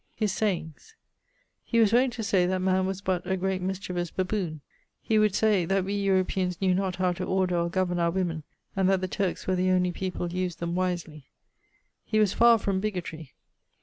His sayings. He was wont to say that man was but a great mischievous baboon. He would say, that we Europaeans knew not how to order or governe our woemen, and that the Turkes were the only people used them wisely. He was far from bigotry.